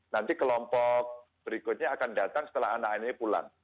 nanti kelompok berikutnya akan datang setelah anak anak ini pulang